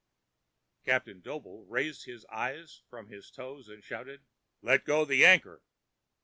Captain Doble raised his eyes from his toes and shouted: "Let go the anchor!"